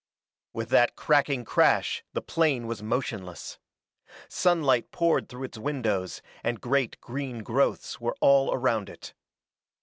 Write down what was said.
With that cracking crash the plane was motionless. Sunlight poured through its windows, and great green growths were all around it.